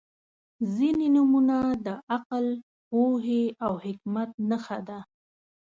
• ځینې نومونه د عقل، پوهې او حکمت نښه ده.